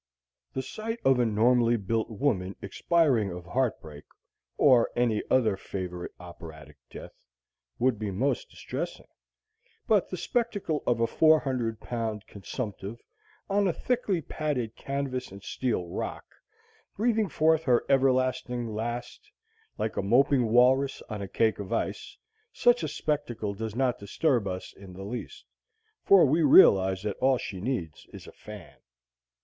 The sight of a normally built woman expiring of heartbreak, or any other favorite operatic death, would be most distressing; but the spectacle of a four hundred pound consumptive, on a thickly padded canvas and steel rock, breathing forth her everlasting last, like a moping walrus on a cake of ice such a spectacle does not disturb us in the least, for we realize that all she needs is a fan.